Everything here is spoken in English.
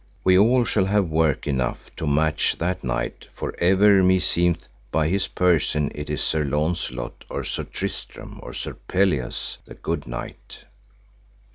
We all shall have work enough to match that knight, for ever meseemeth by his person it is Sir Launcelot, or Sir Tristram, or Sir Pelleas, the good knight.